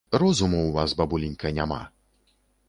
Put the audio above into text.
Розуму ў вас, бабуленька, няма.